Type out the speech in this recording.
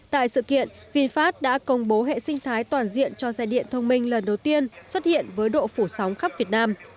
tại sự kiện vinfast đã công bố hệ sinh thái toàn diện cho xe điện thông minh lần đầu tiên xuất hiện với độ phủ sóng khắp việt nam